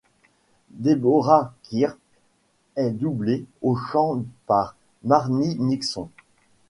Debora Kerr est doublé au chant par Marni Nixon.